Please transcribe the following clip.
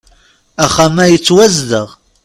Axxam-a yettwazdeɣ.